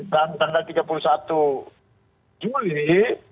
tanggal tiga puluh satu juli